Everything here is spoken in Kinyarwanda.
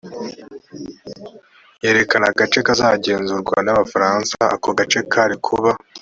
yerekana agace kazagenzurwa n abafaransa ako gace kari kuba